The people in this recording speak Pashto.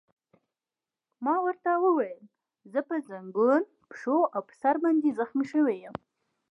ما ورته وویل: زه په زنګون، پښو او پر سر باندې زخمي شوی یم.